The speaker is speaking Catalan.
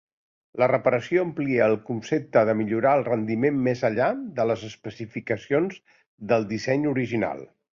La reparació amplia al concepte de millorar el rendiment més enllà de les especificacions del disseny original.